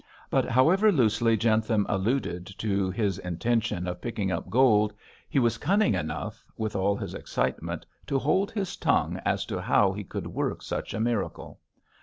But however loosely Jentham alluded to his intention of picking up gold, he was cunning enough, with all his excitement, to hold his tongue as to how he could work such a miracle.